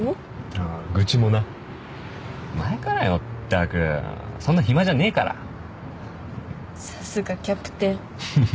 ああ愚痴もな前からよったくそんな暇じゃねえからさすがキャプテンふふ